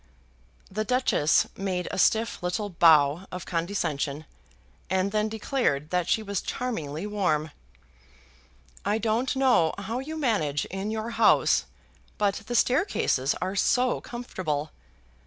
The Duchess made a stiff little bow of condescension, and then declared that she was charmingly warm. "I don't know how you manage in your house, but the staircases are so comfortable.